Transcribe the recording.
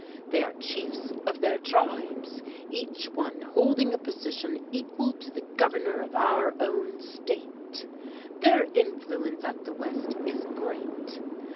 They are chiefs of their tribes, each one holding a position equal to the Governor of our own State. Their influence at the West is great.